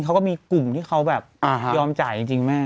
เขาก็มีกลุ่มที่เขาแบบยอมจ่ายจริงแม่